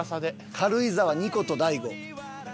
「軽井沢にこと大悟」。